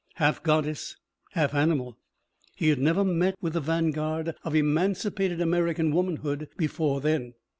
Half goddess, half animal. He had never met with the vanguard of emancipated American womanhood before then.